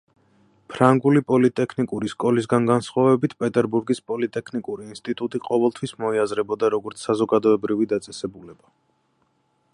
ფრანგული პოლიტექნიკური სკოლისგან განსხვავებით პეტერბურგის პოლიტექნიკური ინსტიტუტი ყოველთვის მოიაზრებოდა როგორც საზოგადოებრივი დაწესებულება.